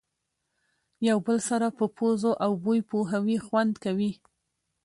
یو بل سره په پوزو او بوی پوهوي خوند کوي.